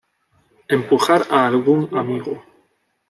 empujar a algún amigo